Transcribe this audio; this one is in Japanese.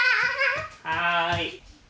はい。